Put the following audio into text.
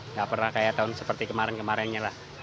nggak pernah kayak tahun seperti kemarin kemarinnya lah